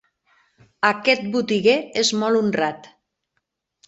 Aquest botiguer és molt honrat.